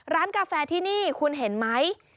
กาแฟที่นี่คุณเห็นไหม